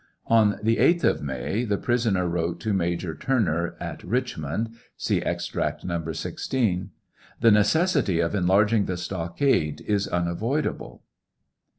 On the 8th of May the prisoner wrote to Major Turner at Richmond, (see Ex tract No. 16) The necessity of enlarging the stockade is unavoidable.